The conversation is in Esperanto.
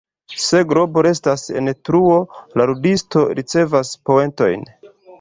Se globo restas en truo, la ludisto ricevas poentojn.